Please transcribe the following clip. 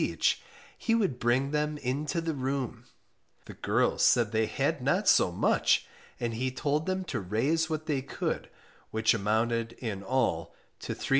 each, he would bring them into the room; the girls said they had not so much, and he told them to raise what they could, which amounted in all to 3s.